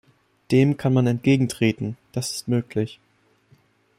Dem kann man entgegentreten, das ist möglich.